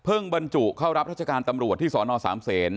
เพิ่งบรรจุเข้ารับราชการตำรวจที่สนส